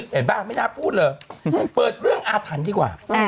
ป่ะไม่น่าพูดเลยเปิดเรื่องอาถรรพ์ดีกว่า